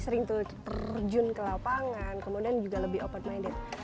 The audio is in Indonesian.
sering tuh terjun ke lapangan kemudian juga lebih open minded